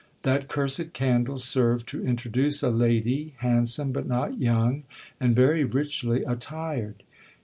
That cursed candle served to introduce a lady, liandsome, but not young, and very richly attired.